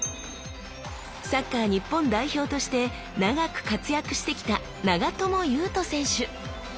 サッカー日本代表として長く活躍してきた長友佑都選手！